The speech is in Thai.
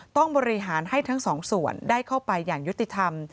ต้องบริหารให้ทั้งสองส่วนได้เข้าไปอย่างยุติธรรม